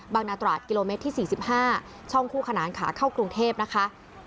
นาตราชกิโลเมตรที่๔๕ช่องคู่ขนานขาเข้ากรุงเทพนะคะ